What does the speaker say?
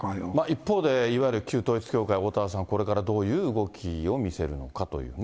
一方で、いわゆる旧統一教会、おおたわさん、これからどういう動きを見せるのかというね。